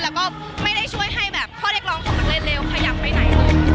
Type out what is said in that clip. แล้วก็ไม่ได้ช่วยให้แบบข้อเรียกร้องของนักเรียนเร็วขยับไปไหนเลย